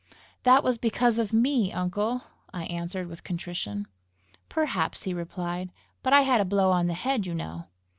"That was because of me, uncle!" I answered with contrition. "Perhaps," he replied; "but I had a blow on the head, you know!"